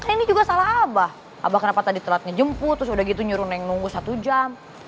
ini juga salah abah abah kenapa tadi telat ngejemput terus udah gitu nyuruh neng nunggu satu jam